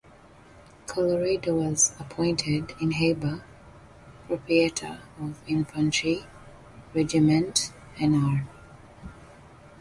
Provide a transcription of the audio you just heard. Colloredo was appointed inhaber (proprietor) of Infantry Regiment Nr.